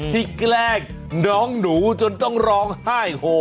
แกล้งน้องหนูจนต้องร้องไห้โห